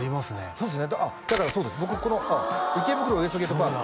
そうですねだからそうです僕このあっ「池袋ウエストゲートパーク」